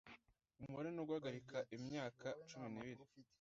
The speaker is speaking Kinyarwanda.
Ububabare no guhagarika imyaka cumi nibiri